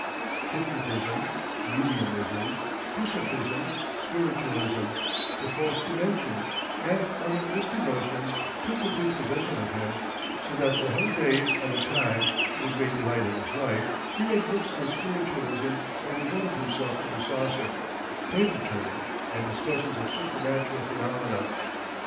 Hypnotism, mediumism, bishopism, spiritualism, the fourth dimension, and other misty notions took complete possession of him, so that for whole days at a time, to the great delight of his wife, he read books on spiritualism or devoted himself to the saucer, table turning, and discussions of supernatural phenomena.